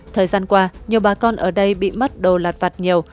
thời gian qua nhiều bà con ở đây bị mất đồ lạt vặt nhiều